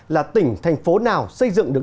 là tỉnh thành phố nào xây dựng được